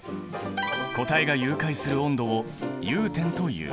固体が融解する温度を融点という。